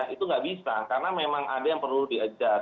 itu nggak bisa karena memang ada yang perlu di adjust